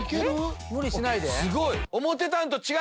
無理しないで。